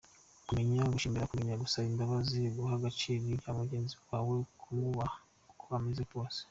Kumenya gushimira, kumenya gusaba imbabazi, guha agaciro ibya mugenzi wawe, kumwubaha uko ameze kose….